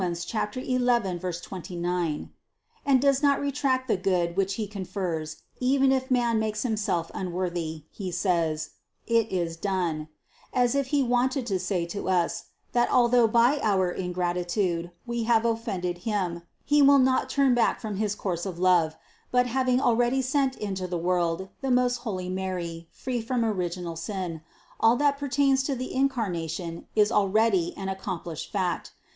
11, 29) and does not retract the good which He confers, even if man makes himself unworthy, He says: "It is done;" as if He wanted to say to us, that although by our ingratitude we have offended Him, He will not turn back from his course of love, but having already sent into the world the most holy Mary free from original sin, all that pertains to the Incarnation is already an accomplished fact.